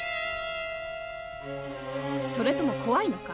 それとも怖いのか？